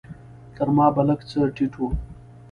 تر ما به لږ څه ټيټ و.